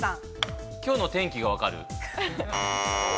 きょうの天気が分かる。